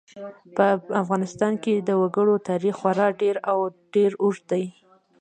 په افغانستان کې د وګړي تاریخ خورا ډېر او ډېر اوږد دی.